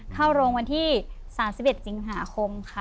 เข้าโรงวันที่๓๑สิงหาคมค่ะ